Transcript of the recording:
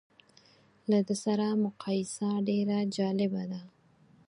له ده سره مقایسه ډېره جالبه ده.